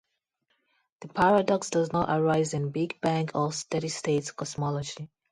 The paradox does not arise in Big Bang or Steady State cosmology.